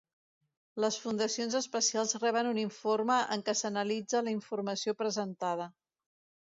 Les fundacions especials reben un informe en què s'analitza la informació presentada.